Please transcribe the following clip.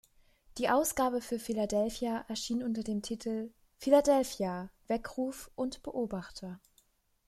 Die Ausgabe für Philadelphia erschien unter dem Titel "Philadelphia Weckruf und Beobachter".